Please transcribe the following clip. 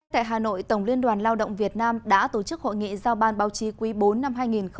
tại hà nội tổng liên đoàn lao động việt nam đã tổ chức hội nghị giao ban báo chí quý bốn năm hai nghìn một mươi chín